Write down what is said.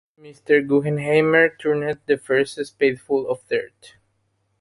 Mr. Guggenheimer turned the first spadeful of dirt.